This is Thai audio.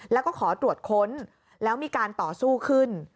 แล้วก็ขอตรวจค้นแล้วมีการต่อสู้ขึ้น